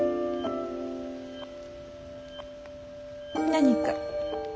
何か？